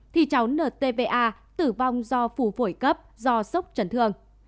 thì cháu ntva tử vong do phù phổi cấp do sốc chấn thương